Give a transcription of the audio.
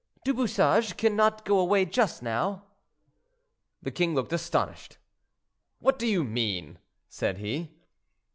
"Du Bouchage cannot go away just now." The king looked astonished. "What do you mean?" said he.